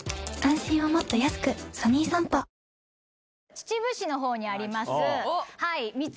秩父市の方にあります。